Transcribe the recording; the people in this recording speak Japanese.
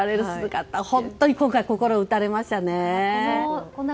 今回、本当に心を打たれましたね。